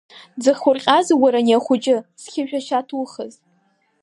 Дзыхурҟьазеи уара ани ахәыҷы, зқьышә ашьа ҭухыз?